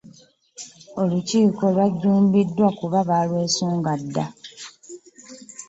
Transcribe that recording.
Olukiiko lwajjumbiddwa kuba baalwesunga dda.